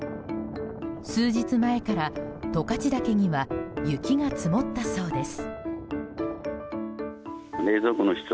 数日前から十勝岳には雪が積もったそうです。